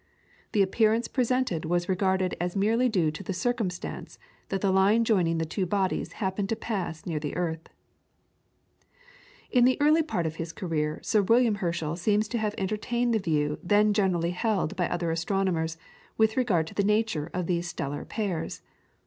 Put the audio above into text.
The appearance presented was regarded as merely due to the circumstance that the line joining the two bodies happened to pass near the earth. [PLATE: SIR JOHN HERSCHEL.] In the early part of his career, Sir William Herschel seems to have entertained the view then generally held by other astronomers with regard to the nature of these stellar pairs.